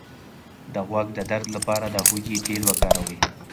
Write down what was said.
د غوږ د درد لپاره د هوږې تېل وکاروئ